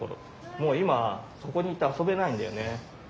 もう今そこに行って遊べないんだよね。